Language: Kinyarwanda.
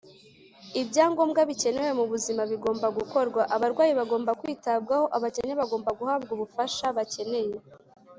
. Ibyangombwa bikenewe mu buzima bigomba gukorwa, abarwayi bagomba kwitabwaho, abakene bagomba guhabwa ubufasha bakeneye.